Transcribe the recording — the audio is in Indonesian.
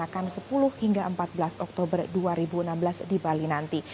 dan juga memaksanakan sepuluh hingga empat belas oktober dua ribu enam belas di bali nanti